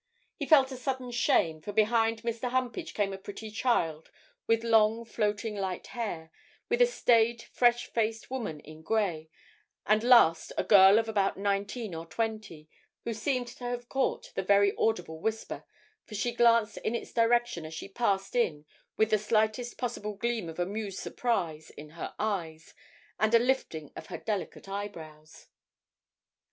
He felt a sudden shame, for behind Mr. Humpage came a pretty child with long floating light hair, with a staid fresh faced woman in grey, and last a girl of about nineteen or twenty, who seemed to have caught the very audible whisper, for she glanced in its direction as she passed in with the slightest possible gleam of amused surprise in her eyes and a lifting of her delicate eyebrows.